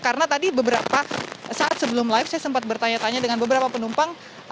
karena tadi beberapa saat sebelum live saya sempat bertanya tanya dengan beberapa penumpang